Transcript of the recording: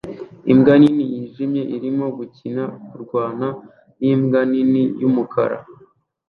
Imbwa nini yijimye irimo gukina-kurwana nimbwa nini yumukara